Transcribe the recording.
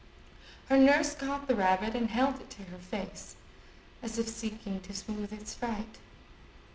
Her nurse caught the rabbit, and held it to her face, as if seeking to sooth its fright.